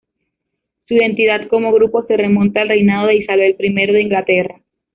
Su identidad como grupo se remonta al reinado de Isabel I de Inglaterra.